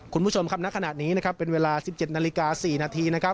คุณผู้ชมครับณขนาดนี้เป็นเวลา๑๗นาฬิกา๔นาที